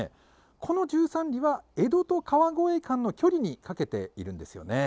この１３には江戸と川越間の距離に掛けているんですよね。